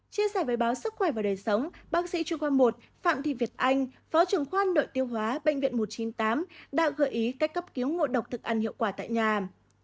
chia sẻ với báo sức khỏe và đời sống bác sĩ trung khoa một phạm thị việt anh phó trưởng khoa nội tiêu hóa bệnh viện một trăm chín mươi tám đã gợi ý cách cấp cứu ngộ độc thực ăn hiệu quả tại nhà